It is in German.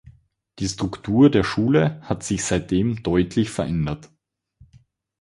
Die Struktur der Schule hat sich seitdem deutlich verändert.